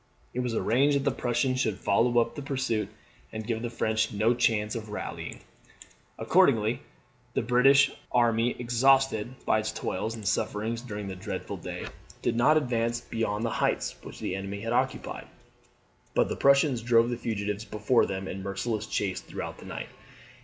It was arranged that the Prussians should follow up the pursuit, and give the French no chance of rallying. Accordingly the British army, exhausted by its toils and sufferings during that dreadful day, did not advance beyond the heights which the enemy had occupied. But the Prussians drove the fugitives before them in merciless chase throughout the night.